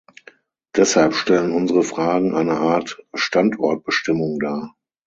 Deshalb stellen unsere Fragen eine Art Standortbestimmung dar.